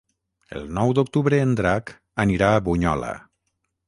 El nou d'octubre en Drac anirà a Bunyola.